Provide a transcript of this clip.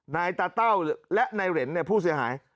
นายตาเต้าและนายเหรนผู้เสียหาย